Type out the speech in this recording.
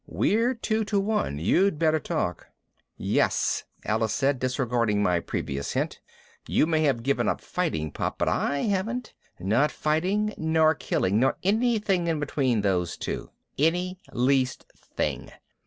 "We're two to one. You'd better talk." "Yes," Alice added, disregarding my previous hint. "You may have given up fighting, Pop, but I haven't. Not fighting, nor killing, nor anything in between those two. Any least thing."